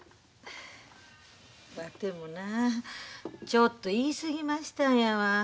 わてもなちょっと言い過ぎましたんやわ。